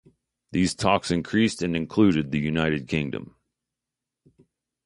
These talks increased and included the United Kingdom.